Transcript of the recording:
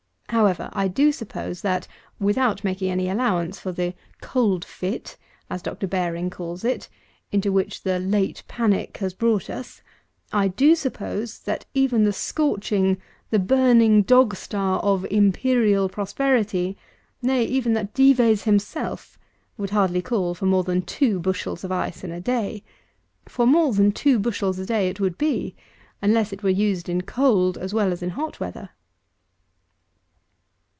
However, I do suppose, that, without making any allowance for the "cold fit," as Dr. Baring calls it, into which "late panic" has brought us; I do suppose, that even the scorching, the burning dog star of "IMPERIAL PROSPERITY;" nay, that even DIVES himself, would hardly call for more than two bushels of ice in a day; for more than two bushels a day it would be, unless it were used in cold as well as in hot weather.